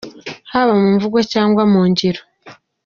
Haba mu mvugo cyangwa mu ngiro